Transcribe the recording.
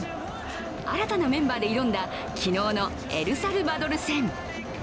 新たなメンバーで挑んだ昨日のエルサルバドル戦。